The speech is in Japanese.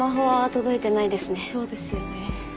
そうですよね。